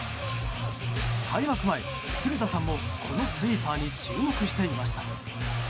開幕前、古田さんもこのスイーパーに注目していました。